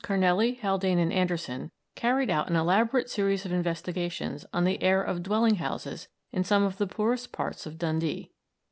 Carnelley, Haldane, and Anderson carried out an elaborate series of investigations on the air of dwelling houses in some of the poorest parts of Dundee.